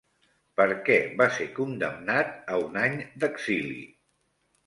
Per què va ser condemnat a un any d'exili?